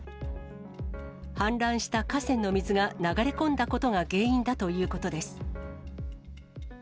氾濫した河川の水が流れ込んだことが原因だということです。